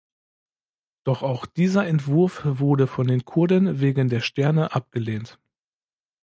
Doch auch dieser Entwurf wurde von den Kurden wegen der Sterne abgelehnt.